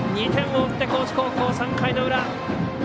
２点を追って、高知高校３回の裏。